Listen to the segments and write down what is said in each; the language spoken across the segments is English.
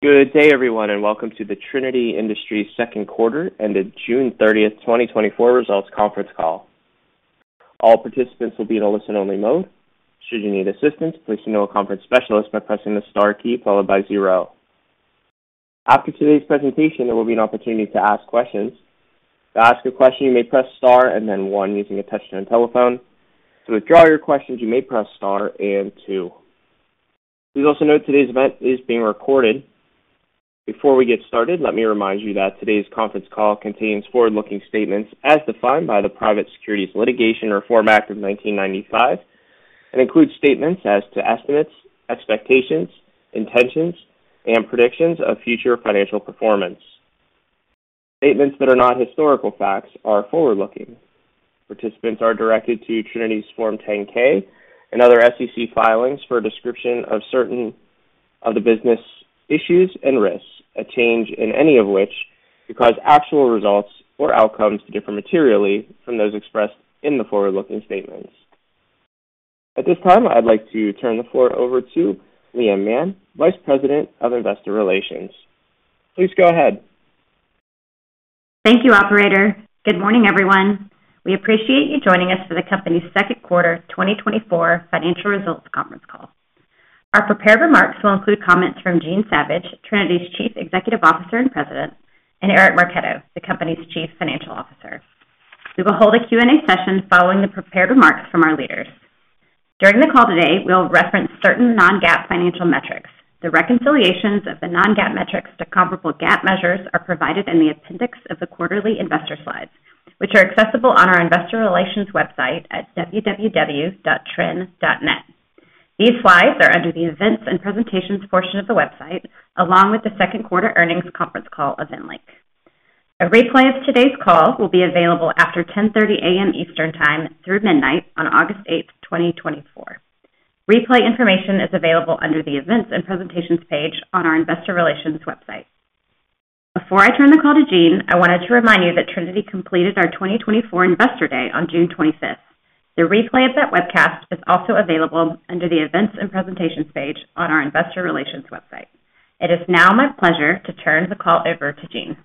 Good day, everyone, and welcome to the Trinity Industries second quarter and the June 30th, 2024 results conference call. All participants will be in a listen-only mode. Should you need assistance, please email a conference specialist by pressing the star key followed by zero. After today's presentation, there will be an opportunity to ask questions. To ask a question, you may press star and then one using a touch-tone telephone. To withdraw your questions, you may press star and two. Please also note today's event is being recorded. Before we get started, let me remind you that today's conference call contains forward-looking statements as defined by the Private Securities Litigation Reform Act of 1995 and includes statements as to estimates, expectations, intentions, and predictions of future financial performance. Statements that are not historical facts are forward-looking. Participants are directed to Trinity's Form 10-K and other SEC filings for a description of certain of the business issues and risks, a change in any of which could cause actual results or outcomes to differ materially from those expressed in the forward-looking statements. At this time, I'd like to turn the floor over to Leigh Anne Mann, Vice President of Investor Relations. Please go ahead. Thank you, Operator. Good morning, everyone. We appreciate you joining us for the company's second quarter 2024 financial results conference call. Our prepared remarks will include comments from Jean Savage, Trinity's Chief Executive Officer and President, and Eric Marchetto, the company's Chief Financial Officer. We will hold a Q&A session following the prepared remarks from our leaders. During the call today, we'll reference certain non-GAAP financial metrics. The reconciliations of the non-GAAP metrics to comparable GAAP measures are provided in the appendix of the quarterly investor slides, which are accessible on our investor relations website at www.trin.net. These slides are under the events and presentations portion of the website, along with the second quarter earnings conference call of webcast link. A replay of today's call will be available after 10:30 A.M. Eastern Time through midnight on August 8th, 2024. Replay information is available under the events and presentations page on our investor relations website. Before I turn the call to Jean, I wanted to remind you that Trinity completed our 2024 Investor Day on June 25th. The replay of that webcast is also available under the events and presentations page on our investor relations website. It is now my pleasure to turn the call over to Jean.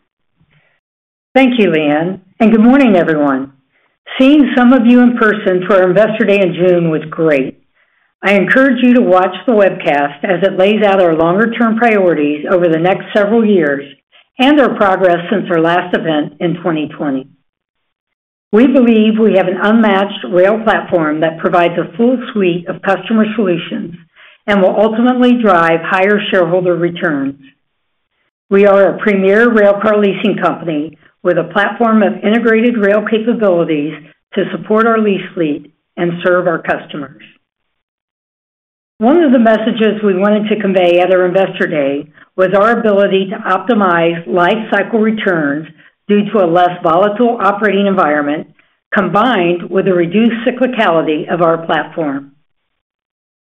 Thank you, Leigh Anne, and good morning, everyone. Seeing some of you in person for our Investor Day in June was great. I encourage you to watch the webcast as it lays out our longer-term priorities over the next several years and our progress since our last event in 2020. We believe we have an unmatched rail platform that provides a full suite of customer solutions and will ultimately drive higher shareholder returns. We are a premier rail car leasing company with a platform of integrated rail capabilities to support our lease fleet and serve our customers. One of the messages we wanted to convey at our Investor Day was our ability to optimize life cycle returns due to a less volatile operating environment, combined with a reduced cyclicality of our platform.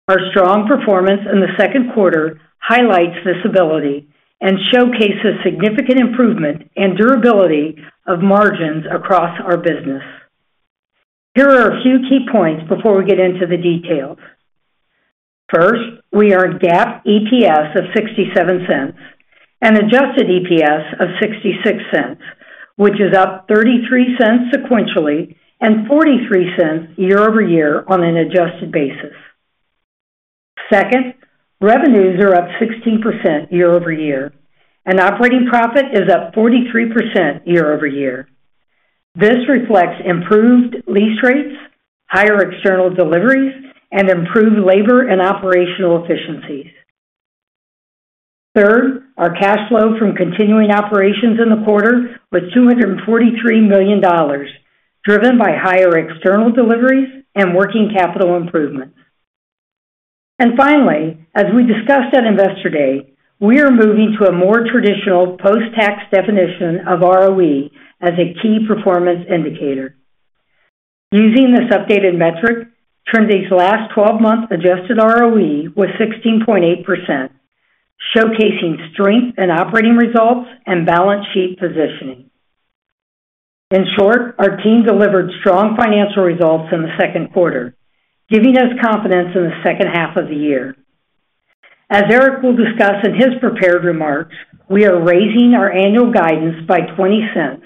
Our strong performance in the second quarter highlights this ability and showcases significant improvement and durability of margins across our business. Here are a few key points before we get into the details. First, we are at GAAP EPS of $0.67 and adjusted EPS of $0.66, which is up $0.33 sequentially and $0.43 year-over-year on an adjusted basis. Second, revenues are up 16% year-over-year, and operating profit is up 43% year-over-year. This reflects improved lease rates, higher external deliveries, and improved labor and operational efficiencies. Third, our cash flow from continuing operations in the quarter was $243 million, driven by higher external deliveries and working capital improvements. Finally, as we discussed at Investor Day, we are moving to a more traditional post-tax definition of ROE as a key performance indicator. Using this updated metric, Trinity's last 12-month adjusted ROE was 16.8%, showcasing strength in operating results and balance sheet positioning. In short, our team delivered strong financial results in the second quarter, giving us confidence in the second half of the year. As Eric will discuss in his prepared remarks, we are raising our annual guidance by $0.20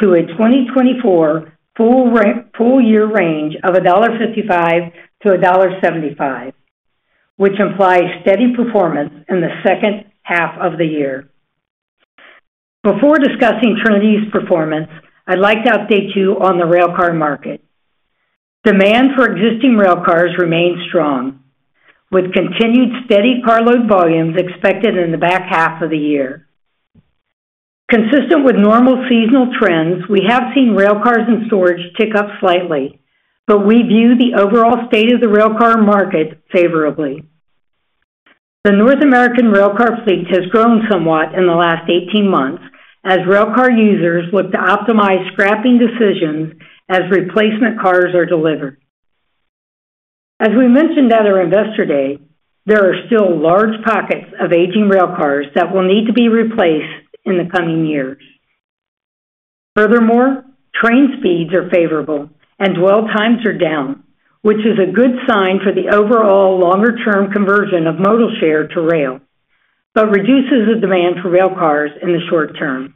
to a 2024 full-year range of $1.55-$1.75, which implies steady performance in the second half of the year. Before discussing Trinity's performance, I'd like to update you on the rail car market. Demand for existing rail cars remains strong, with continued steady carload volumes expected in the back half of the year. Consistent with normal seasonal trends, we have seen rail cars in storage tick up slightly, but we view the overall state of the rail car market favorably. The North American rail car fleet has grown somewhat in the last 18 months as rail car users look to optimize scrapping decisions as replacement cars are delivered. As we mentioned at our Investor Day, there are still large pockets of aging rail cars that will need to be replaced in the coming years. Furthermore, train speeds are favorable and dwell times are down, which is a good sign for the overall longer-term conversion of modal share to rail, but reduces the demand for rail cars in the short term.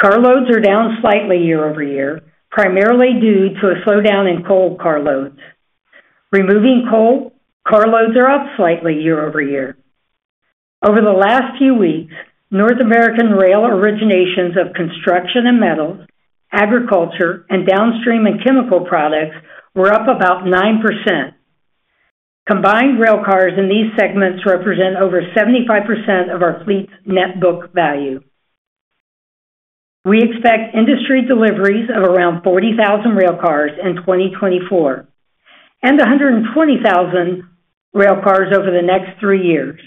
Carloads are down slightly year-over-year, primarily due to a slowdown in coal carloads. Removing coal carloads are up slightly year-over-year. Over the last few weeks, North American rail originations of construction and metals, agriculture, and downstream and chemical products were up about 9%. Combined rail cars in these segments represent over 75% of our fleet's net book value. We expect industry deliveries of around 40,000 rail cars in 2024 and 120,000 rail cars over the next three years.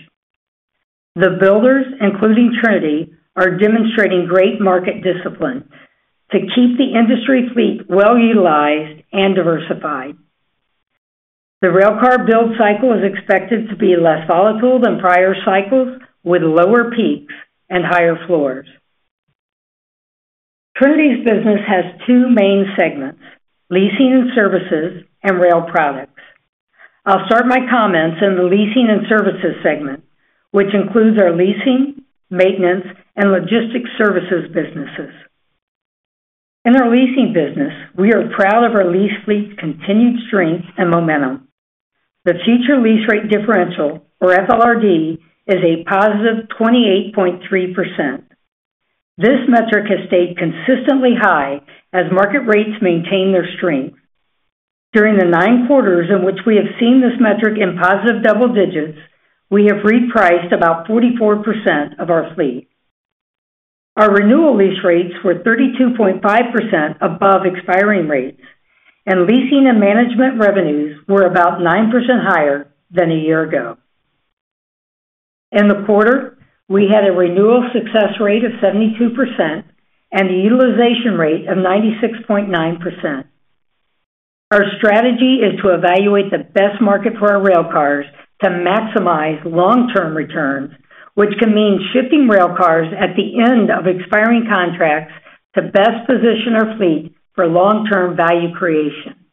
The builders, including Trinity, are demonstrating great market discipline to keep the industry fleet well utilized and diversified. The rail car build cycle is expected to be less volatile than prior cycles, with lower peaks and higher floors. Trinity's business has two main segments: leasing and services and rail products. I'll start my comments in the leasing and services segment, which includes our leasing, maintenance, and logistics services businesses. In our leasing business, we are proud of our lease fleet's continued strength and momentum. The future lease rate differential, or FLRD, is a positive 28.3%. This metric has stayed consistently high as market rates maintain their strength. During the nine quarters in which we have seen this metric in positive double digits, we have repriced about 44% of our fleet. Our renewal lease rates were 32.5% above expiring rates, and leasing and management revenues were about 9% higher than a year ago. In the quarter, we had a renewal success rate of 72% and a utilization rate of 96.9%. Our strategy is to evaluate the best market for our rail cars to maximize long-term returns, which can mean shipping rail cars at the end of expiring contracts to best position our fleet for long-term value creation.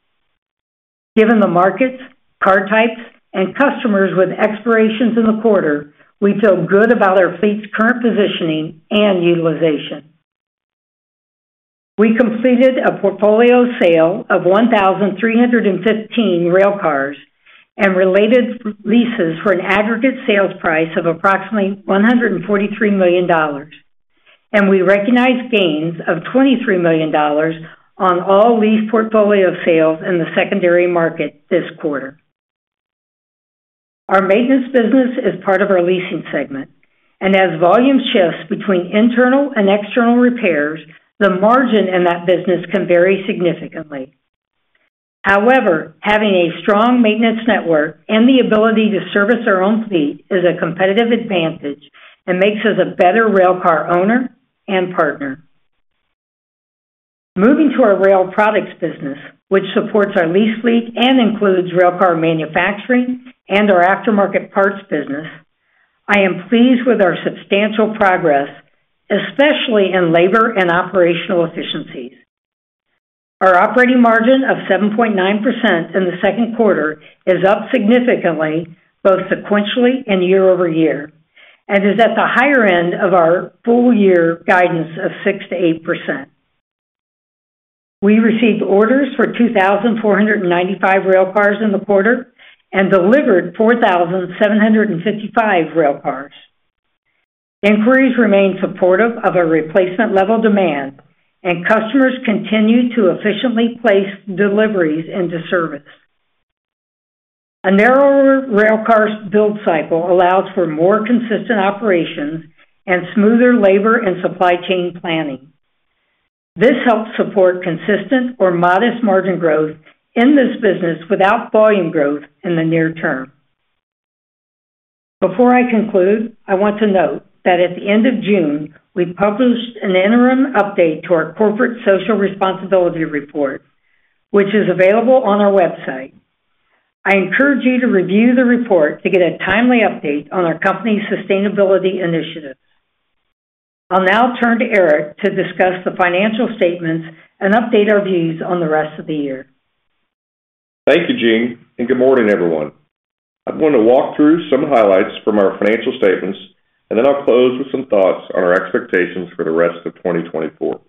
Given the markets, car types, and customers with expirations in the quarter, we feel good about our fleet's current positioning and utilization. We completed a portfolio sale of 1,315 railcars and related leases for an aggregate sales price of approximately $143 million, and we recognize gains of $23 million on all lease portfolio sales in the secondary market this quarter. Our maintenance business is part of our leasing segment, and as volume shifts between internal and external repairs, the margin in that business can vary significantly. However, having a strong maintenance network and the ability to service our own fleet is a competitive advantage and makes us a better railcar owner and partner. Moving to our rail products business, which supports our lease fleet and includes railcar manufacturing and our aftermarket parts business, I am pleased with our substantial progress, especially in labor and operational efficiencies. Our operating margin of 7.9% in the second quarter is up significantly both sequentially and year-over-year, and is at the higher end of our full-year guidance of 6%-8%. We received orders for 2,495 rail cars in the quarter and delivered 4,755 rail cars. Inquiries remain supportive of our replacement-level demand, and customers continue to efficiently place deliveries into service. A narrower rail cars build cycle allows for more consistent operations and smoother labor and supply chain planning. This helps support consistent or modest margin growth in this business without volume growth in the near term. Before I conclude, I want to note that at the end of June, we published an interim update to our corporate social responsibility report, which is available on our website. I encourage you to review the report to get a timely update on our company's sustainability initiatives. I'll now turn to Eric to discuss the financial statements and update our views on the rest of the year. Thank you, Jean, and good morning, everyone. I want to walk through some highlights from our financial statements, and then I'll close with some thoughts on our expectations for the rest of 2024.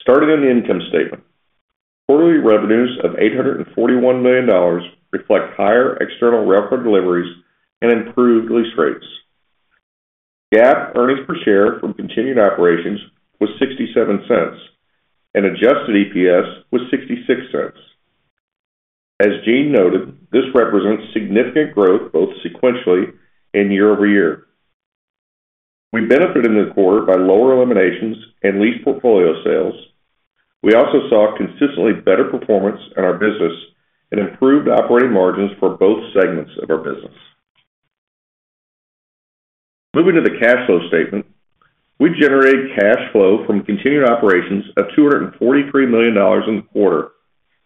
Starting on the income statement, quarterly revenues of $841 million reflect higher external rail car deliveries and improved lease rates. GAAP earnings per share from continuing operations was $0.67, and adjusted EPS was $0.66. As Jean noted, this represents significant growth both sequentially and year-over-year. We benefited in the quarter by lower eliminations and lease portfolio sales. We also saw consistently better performance in our business and improved operating margins for both segments of our business. Moving to the cash flow statement, we generated cash flow from continuing operations of $243 million in the quarter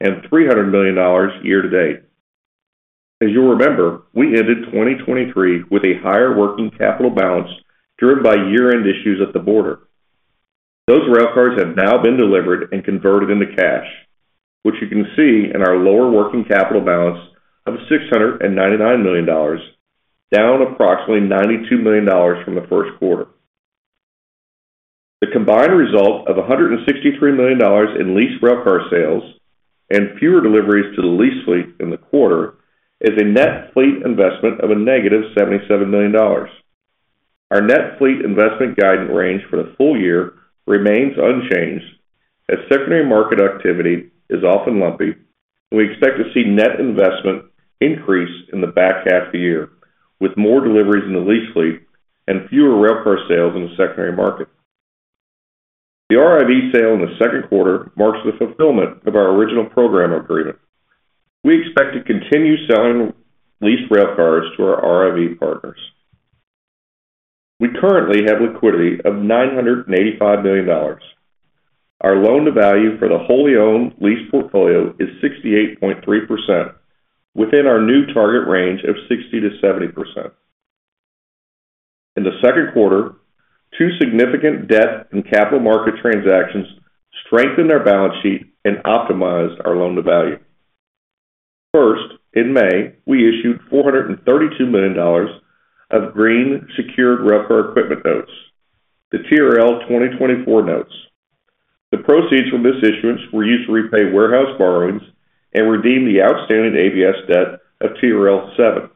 and $300 million year to date. As you'll remember, we ended 2023 with a higher working capital balance driven by year-end issues at the border. Those rail cars have now been delivered and converted into cash, which you can see in our lower working capital balance of $699 million, down approximately $92 million from the first quarter. The combined result of $163 million in lease rail car sales and fewer deliveries to the lease fleet in the quarter is a net fleet investment of a negative $77 million. Our net fleet investment guidance range for the full year remains unchanged as secondary market activity is often lumpy, and we expect to see net investment increase in the back half of the year with more deliveries in the lease fleet and fewer rail car sales in the secondary market. The RIV sale in the second quarter marks the fulfillment of our original program agreement. We expect to continue selling leased rail cars to our RIV partners. We currently have liquidity of $985 million. Our loan-to-value for the wholly owned lease portfolio is 68.3%, within our new target range of 60%-70%. In the second quarter, two significant debt and capital market transactions strengthened our balance sheet and optimized our loan-to-value. First, in May, we issued $432 million of green secured rail car equipment notes, the TRL 2024 notes. The proceeds from this issuance were used to repay warehouse borrowings and redeem the outstanding ABS debt of TRL 2017.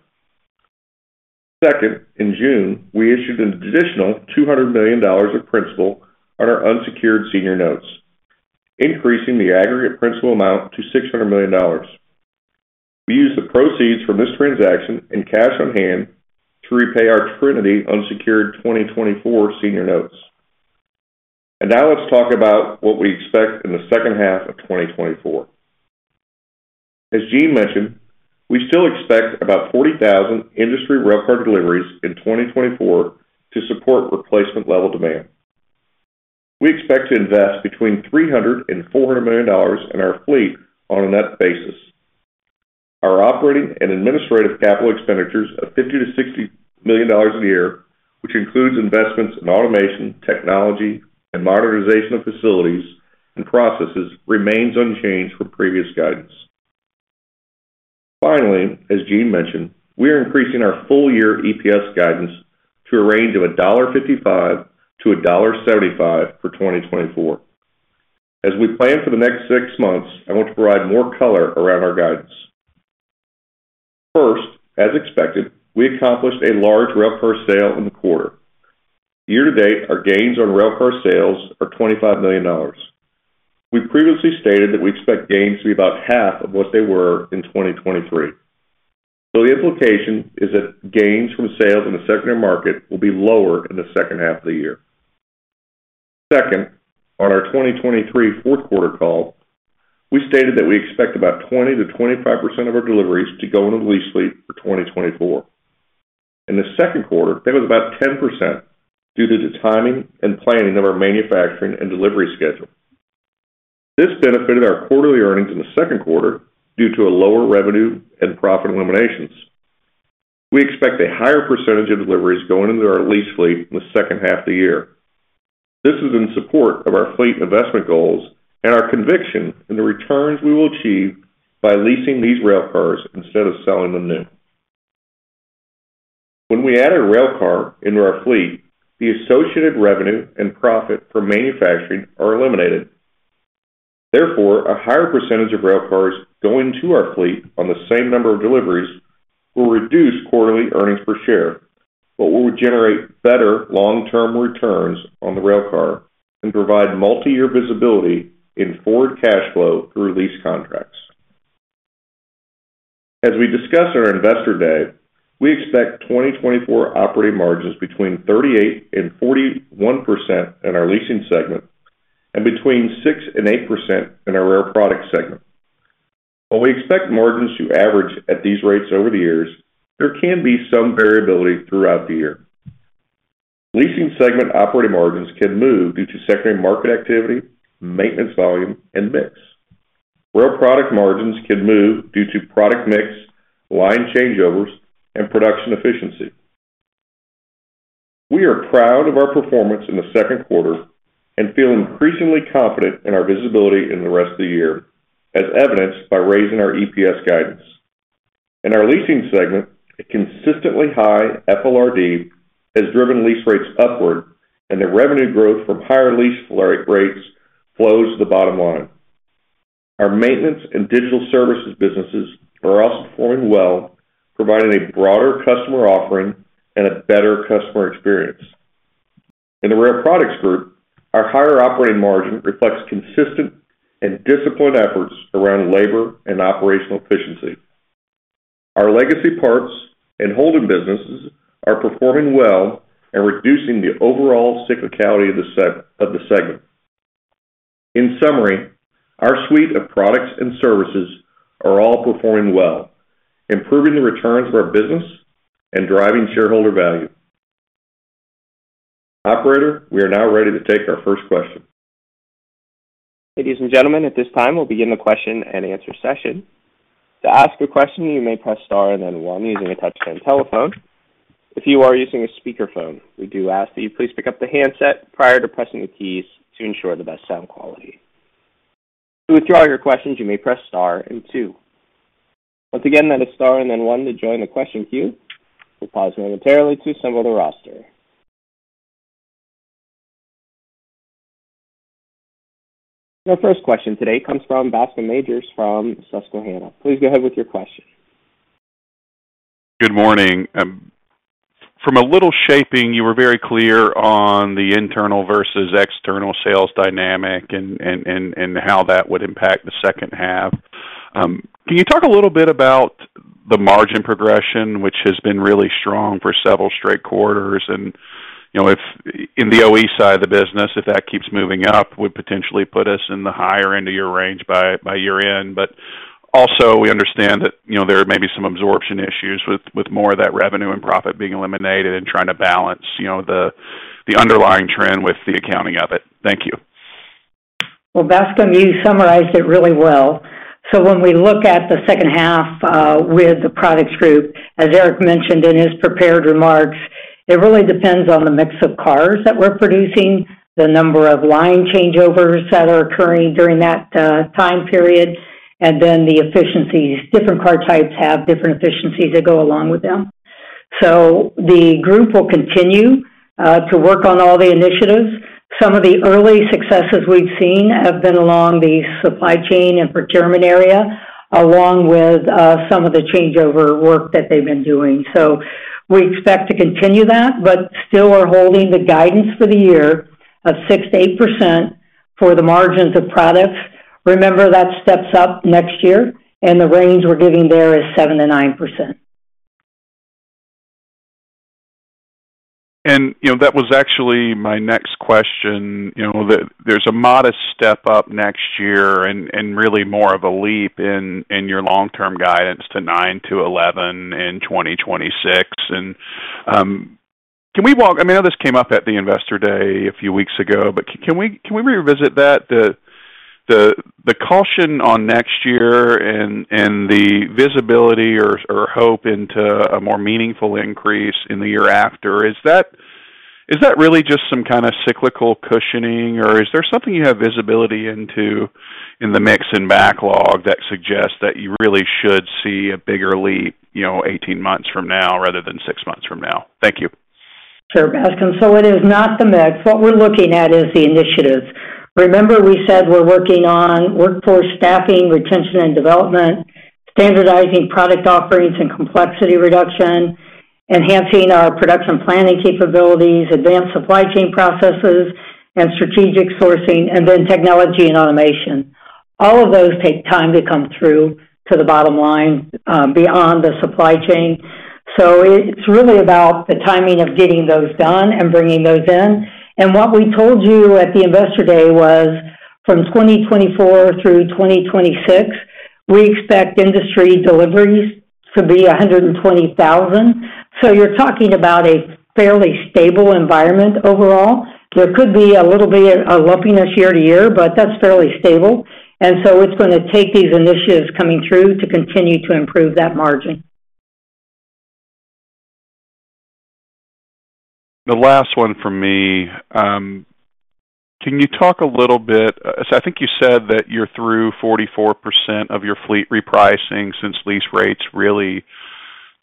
Second, in June, we issued an additional $200 million of principal on our unsecured senior notes, increasing the aggregate principal amount to $600 million. We used the proceeds from this transaction and cash on hand to repay our Trinity unsecured 2024 senior notes. And now let's talk about what we expect in the second half of 2024. As Jean mentioned, we still expect about 40,000 industry rail car deliveries in 2024 to support replacement-level demand. We expect to invest between $300-$400 million in our fleet on a net basis. Our operating and administrative capital expenditures of $50-$60 million a year, which includes investments in automation, technology, and modernization of facilities and processes, remain unchanged from previous guidance. Finally, as Jean mentioned, we are increasing our full-year EPS guidance to a range of $1.55-$1.75 for 2024. As we plan for the next six months, I want to provide more color around our guidance. First, as expected, we accomplished a large rail car sale in the quarter. Year to date, our gains on rail car sales are $25 million. We previously stated that we expect gains to be about half of what they were in 2023. So the implication is that gains from sales in the secondary market will be lower in the second half of the year. Second, on our 2023 fourth quarter call, we stated that we expect about 20%-25% of our deliveries to go into the lease fleet for 2024. In the second quarter, that was about 10% due to the timing and planning of our manufacturing and delivery schedule. This benefited our quarterly earnings in the second quarter due to a lower revenue and profit eliminations. We expect a higher percentage of deliveries going into our lease fleet in the second half of the year. This is in support of our fleet investment goals and our conviction in the returns we will achieve by leasing these rail cars instead of selling them new. When we add a rail car into our fleet, the associated revenue and profit from manufacturing are eliminated. Therefore, a higher percentage of rail cars going to our fleet on the same number of deliveries will reduce quarterly earnings per share, but will generate better long-term returns on the rail car and provide multi-year visibility in forward cash flow through lease contracts. As we discuss our Investor Day, we expect 2024 operating margins between 38% and 41% in our leasing segment and between 6% and 8% in our rail product segment. While we expect margins to average at these rates over the years, there can be some variability throughout the year. Leasing segment operating margins can move due to secondary market activity, maintenance volume, and mix. Rail product margins can move due to product mix, line changeovers, and production efficiency. We are proud of our performance in the second quarter and feel increasingly confident in our visibility in the rest of the year, as evidenced by raising our EPS guidance. In our leasing segment, a consistently high FLRD has driven lease rates upward, and the revenue growth from higher lease rates flows to the bottom line. Our maintenance and digital services businesses are also performing well, providing a broader customer offering and a better customer experience. In the rail products group, our higher operating margin reflects consistent and disciplined efforts around labor and operational efficiency. Our legacy parts and heads businesses are performing well and reducing the overall cyclicality of the segment. In summary, our suite of products and services are all performing well, improving the returns of our business and driving shareholder value. Operator, we are now ready to take our first question. Ladies and gentlemen, at this time, we'll begin the question and answer session. To ask a question, you may press star and then one using a touchscreen telephone. If you are using a speakerphone, we do ask that you please pick up the handset prior to pressing the keys to ensure the best sound quality. To withdraw your questions, you may press star and two. Once again, that is star and then one to join the question queue. We'll pause momentarily to assemble the roster. Our first question today comes from Bascom Majors from Susquehanna. Please go ahead with your question. Good morning. From a little shaping, you were very clear on the internal versus external sales dynamic and how that would impact the second half. Can you talk a little bit about the margin progression, which has been really strong for several straight quarters? And in the OE side of the business, if that keeps moving up, would potentially put us in the higher end of your range by year-end. But also, we understand that there may be some absorption issues with more of that revenue and profit being eliminated and trying to balance the underlying trend with the accounting of it. Thank you. Well, Bascom, you summarized it really well. So when we look at the second half with the products group, as Eric mentioned in his prepared remarks, it really depends on the mix of cars that we're producing, the number of line changeovers that are occurring during that time period, and then the efficiencies. Different car types have different efficiencies that go along with them. So the group will continue to work on all the initiatives. Some of the early successes we've seen have been along the supply chain and procurement area, along with some of the changeover work that they've been doing. So we expect to continue that, but still are holding the guidance for the year of 6%-8% for the margins of products. Remember, that steps up next year, and the range we're giving there is 7%-9%. And that was actually my next question. There's a modest step up next year and really more of a leap in your long-term guidance to 9-11 in 2026. And can we walk—I mean, I know this came up at the Investor Day a few weeks ago, but can we revisit that? The caution on next year and the visibility or hope into a more meaningful increase in the year after, is that really just some kind of cyclical cushioning, or is there something you have visibility into in the mix and backlog that suggests that you really should see a bigger leap 18 months from now rather than 6 months from now? Thank you. Sure, Bascom. So it is not the mix. What we're looking at is the initiatives. Remember, we said we're working on workforce staffing, retention and development, standardizing product offerings and complexity reduction, enhancing our production planning capabilities, advanced supply chain processes, and strategic sourcing, and then technology and automation. All of those take time to come through to the bottom line beyond the supply chain. So it's really about the timing of getting those done and bringing those in. And what we told you at the Investor Day was from 2024 through 2026, we expect industry deliveries to be 120,000. So you're talking about a fairly stable environment overall. There could be a little bit of lumpiness year to year, but that's fairly stable. And so it's going to take these initiatives coming through to continue to improve that margin. The last one for me. Can you talk a little bit, so I think you said that you're through 44% of your fleet repricing since lease rates really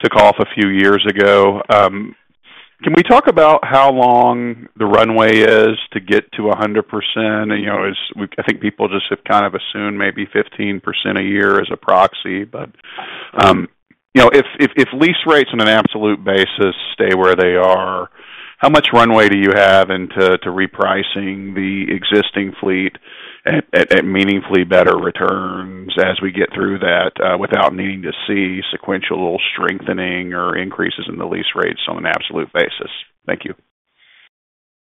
took off a few years ago. Can we talk about how long the runway is to get to 100%? I think people just have kind of assumed maybe 15% a year as a proxy. But if lease rates on an absolute basis stay where they are, how much runway do you have into repricing the existing fleet at meaningfully better returns as we get through that without needing to see sequential strengthening or increases in the lease rates on an absolute basis? Thank you.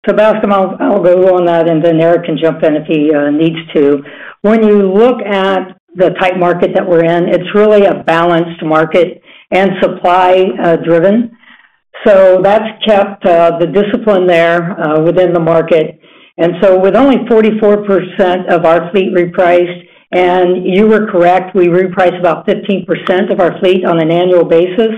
So, Bascom, I'll go on that, and then Eric can jump in if he needs to. When you look at the tight market that we're in, it's really a balanced market and supply-driven. So that's kept the discipline there within the market. And so with only 44% of our fleet repriced, and you were correct, we repriced about 15% of our fleet on an annual basis,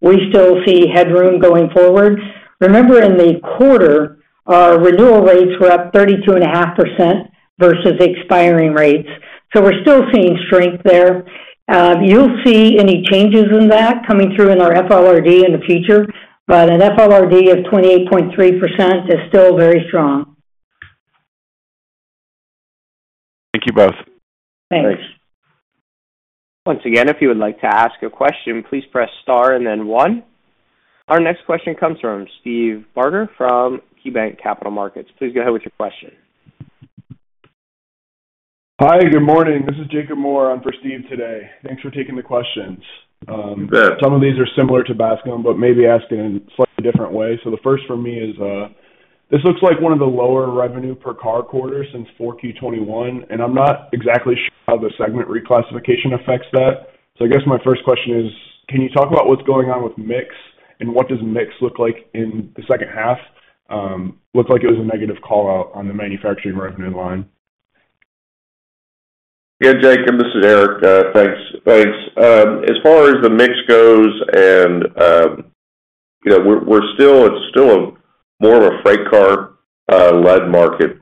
we still see headroom going forward. Remember, in the quarter, our renewal rates were up 32.5% versus expiring rates. So we're still seeing strength there. You'll see any changes in that coming through in our FLRD in the future, but an FLRD of 28.3% is still very strong. Thank you both. Thanks. Thanks. Once again, if you would like to ask a question, please press star and then one. Our next question comes from Steve Barger from KeyBanc Capital Markets. Please go ahead with your question. Hi, good morning. This is Jacob Moore. I'm for Steve today. Thanks for taking the questions. Some of these are similar to Bascom, but maybe asked in a slightly different way. So the first for me is this looks like one of the lower revenue per car quarters since 4Q21, and I'm not exactly sure how the segment reclassification affects that. So I guess my first question is, can you talk about what's going on with mix and what does mix look like in the second half? Looked like it was a negative call out on the manufacturing revenue line. Yeah, Jacob, this is Eric. Thanks. As far as the mix goes, and it's still more of a freight car-led market,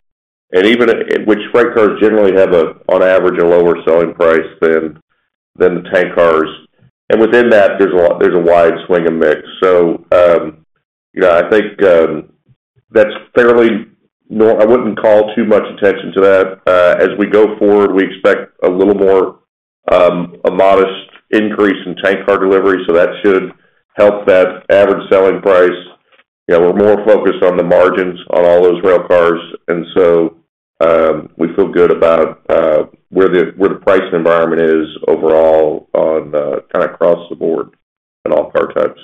which freight cars generally have on average a lower selling price than the tank cars. And within that, there's a wide swing of mix. So I think that's fairly. I wouldn't call too much attention to that. As we go forward, we expect a little more of a modest increase in tank car delivery, so that should help that average selling price. We're more focused on the margins on all those rail cars, and so we feel good about where the pricing environment is overall on kind of across the board in all car types.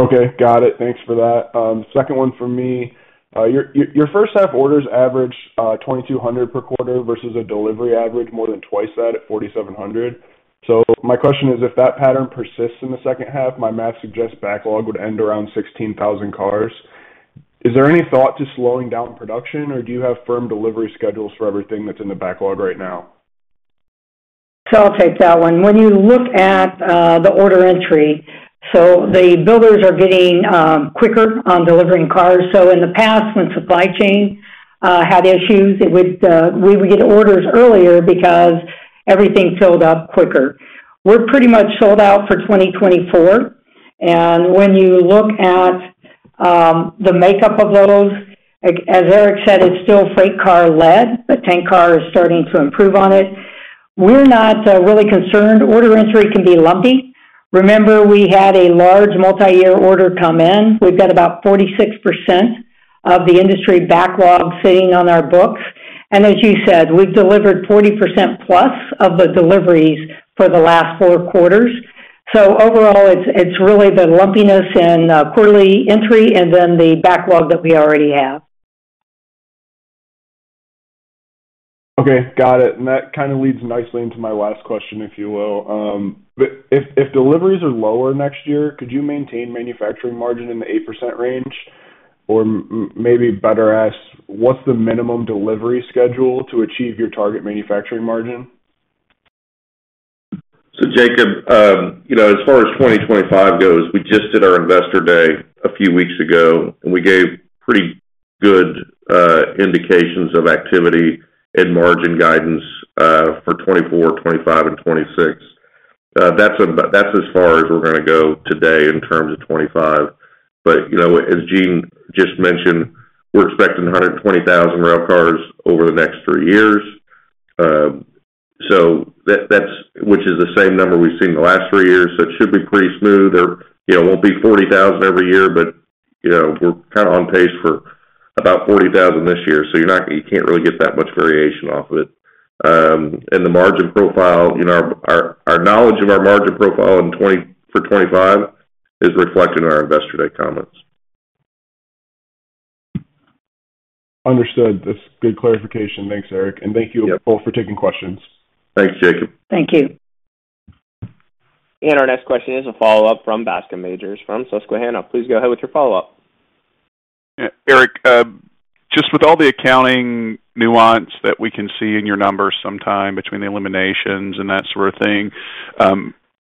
Okay. Got it. Thanks for that. Second one for me. Your first half orders average 2,200 per quarter versus a delivery average more than twice that at 4,700. So my question is, if that pattern persists in the second half, my math suggests backlog would end around 16,000 cars. Is there any thought to slowing down production, or do you have firm delivery schedules for everything that's in the backlog right now? So I'll take that one. When you look at the order entry, the builders are getting quicker on delivering cars. In the past, when supply chain had issues, we would get orders earlier because everything filled up quicker. We're pretty much sold out for 2024. When you look at the makeup of those, as Eric said, it's still freight car-led. The tank car is starting to improve on it. We're not really concerned. Order entry can be lumpy. Remember, we had a large multi-year order come in. We've got about 46% of the industry backlog sitting on our books. As you said, we've delivered 40%+ of the deliveries for the last four quarters. Overall, it's really the lumpiness in quarterly entry and then the backlog that we already have. Okay. Got it. And that kind of leads nicely into my last question, if you will. If deliveries are lower next year, could you maintain manufacturing margin in the 8% range? Or maybe better asked, what's the minimum delivery schedule to achieve your target manufacturing margin? So Jacob, as far as 2025 goes, we just did our Investor Day a few weeks ago, and we gave pretty good indications of activity and margin guidance for 2024, 2025, and 2026. That's as far as we're going to go today in terms of 2025. But as Jean just mentioned, we're expecting 120,000 rail cars over the next three years, which is the same number we've seen the last three years. So it should be pretty smooth. It won't be 40,000 every year, but we're kind of on pace for about 40,000 this year. So you can't really get that much variation off of it. And the margin profile, our knowledge of our margin profile for 2025 is reflected in our Investor Day comments. Understood. That's good clarification. Thanks, Eric. And thank you both for taking questions. Thanks, Jacob. Thank you. Our next question is a follow-up from Bascom Majors from Susquehanna. Please go ahead with your follow-up. Eric, just with all the accounting nuance that we can see in your numbers sometime between the eliminations and that sort of thing,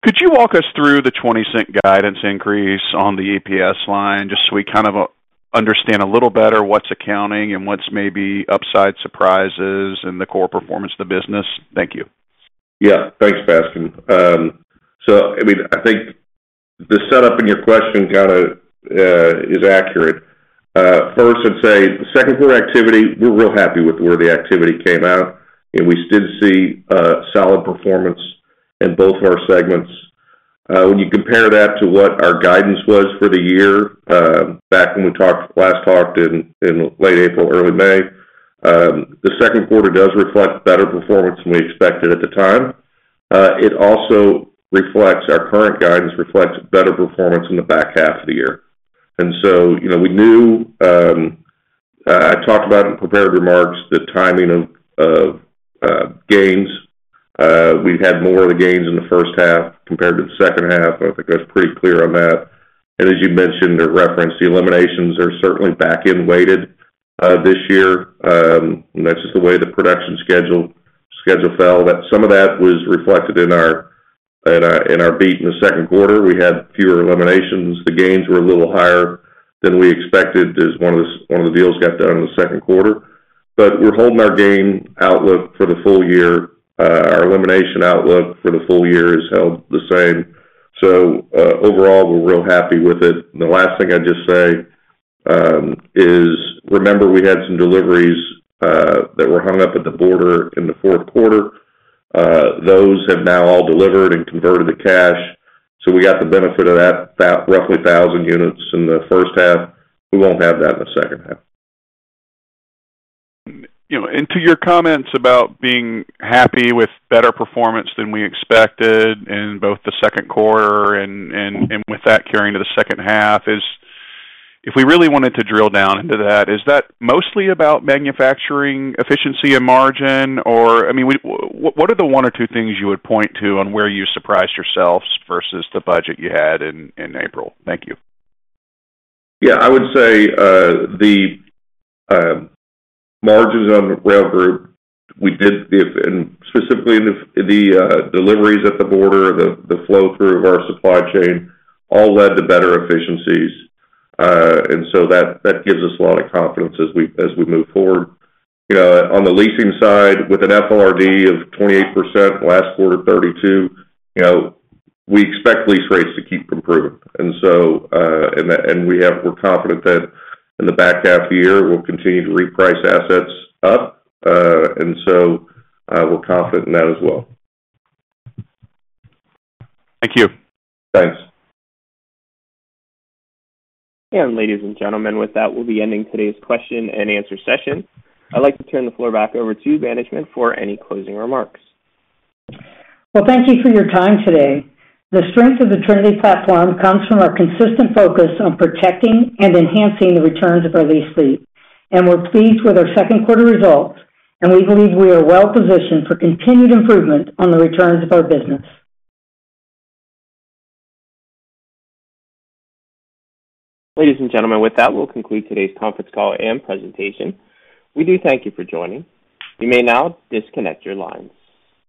could you walk us through the $0.20 guidance increase on the EPS line just so we kind of understand a little better what's accounting and what's maybe upside surprises in the core performance of the business? Thank you. Yeah. Thanks, Bascom. So I mean, I think the setup in your question kind of is accurate. First, I'd say the second quarter activity, we're real happy with where the activity came out. And we did see solid performance in both of our segments. When you compare that to what our guidance was for the year back when we last talked in late April, early May, the second quarter does reflect better performance than we expected at the time. It also reflects our current guidance reflects better performance in the back half of the year. And so we knew I talked about in prepared remarks the timing of gains. We've had more of the gains in the first half compared to the second half. I think I was pretty clear on that. And as you mentioned, the reference, the eliminations are certainly back-end weighted this year. That's just the way the production schedule fell. Some of that was reflected in our beat in the second quarter. We had fewer eliminations. The gains were a little higher than we expected as one of the deals got done in the second quarter. But we're holding our GAAP outlook for the full year. Our elimination outlook for the full year has held the same. So overall, we're real happy with it. And the last thing I'd just say is, remember, we had some deliveries that were hung up at the border in the fourth quarter. Those have now all delivered and converted to cash. So we got the benefit of that roughly 1,000 units in the first half. We won't have that in the second half. To your comments about being happy with better performance than we expected in both the second quarter and with that carrying to the second half, if we really wanted to drill down into that, is that mostly about manufacturing efficiency and margin? Or I mean, what are the one or two things you would point to on where you surprised yourselves versus the budget you had in April? Thank you. Yeah. I would say the margins on Rail Group, and specifically the deliveries at the border, the flow through of our supply chain, all led to better efficiencies. And so that gives us a lot of confidence as we move forward. On the leasing side, with an FLRD of 28%, last quarter 32%, we expect lease rates to keep improving. And we're confident that in the back half of the year, we'll continue to reprice assets up. And so we're confident in that as well. Thank you. Thanks. Ladies and gentlemen, with that, we'll be ending today's question and answer session. I'd like to turn the floor back over to management for any closing remarks. Well, thank you for your time today. The strength of the Trinity platform comes from our consistent focus on protecting and enhancing the returns of our lease fleet. We're pleased with our second quarter results, and we believe we are well positioned for continued improvement on the returns of our business. Ladies and gentlemen, with that, we'll conclude today's conference call and presentation. We do thank you for joining. You may now disconnect your lines.